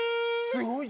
すごい！